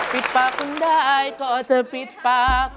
ปิดปากคุณได้ก็จะปิดปาก